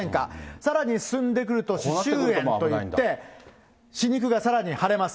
さらに進んでくると歯周炎といって、歯肉がさらに腫れます。